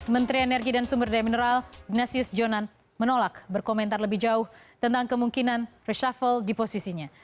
menteri energi dan sumber daya mineral ignatius jonan menolak berkomentar lebih jauh tentang kemungkinan reshuffle di posisinya